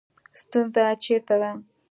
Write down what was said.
ستونزه چېرته ده